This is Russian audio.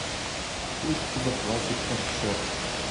Пусть захватит отчет.